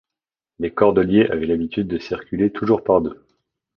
Les cordeliers avaient l'habitude de circuler toujours par deux.